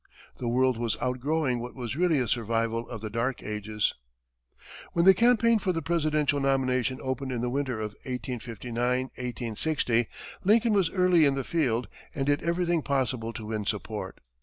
The world was outgrowing what was really a survival of the dark ages. When the campaign for the presidential nomination opened in the winter of 1859 1860, Lincoln was early in the field and did everything possible to win support.